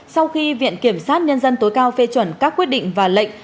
sau khi viện kiểm sát nhân dân tối cao phê chuẩn các quyết định và lệnh